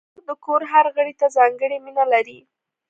خور د کور هر غړي ته ځانګړې مینه لري.